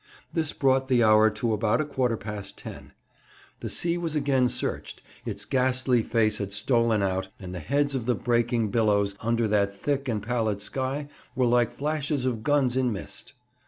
This brought the hour to about a quarter past ten. The sea was again searched, its ghastly face had stolen out, and the heads of the breaking billows under that thick and pallid sky were like flashes of guns in mist.